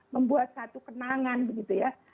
membuat satu kenangan begitu ya